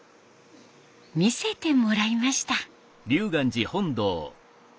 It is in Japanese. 見せてもらいました。